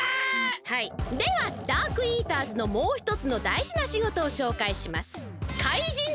はいではダークイーターズのもうひとつのだいじなしごとをしょうかいします。